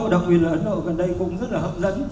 đặc biệt là ấn độ gần đây cũng rất là hấp dẫn